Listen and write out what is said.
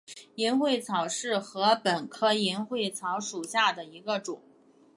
银穗草为禾本科银穗草属下的一个种。